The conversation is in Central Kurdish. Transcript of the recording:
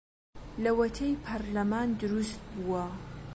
لەوەتەی پەرلەمان دروست بووە